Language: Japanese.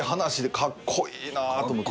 かっこいいなと思って。